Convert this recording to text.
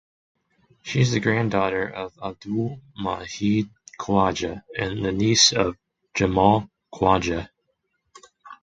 She is the granddaughter of Abdul Majeed Khwaja and the niece of Jamal Khwaja.